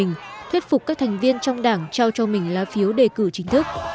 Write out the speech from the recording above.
các ứng cử viên của mình thuyết phục các thành viên trong đảng trao cho mình lá phiếu đề cử chính thức